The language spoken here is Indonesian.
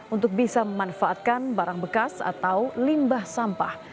untuk bisa memanfaatkan barang bekas atau limbah sampah